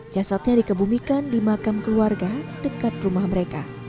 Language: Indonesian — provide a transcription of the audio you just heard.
jasadnya dikebumikan di makam keluarga dekat rumah mereka